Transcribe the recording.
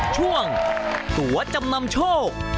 ช่วงตัวจำนำโชค